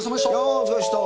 お疲れでした。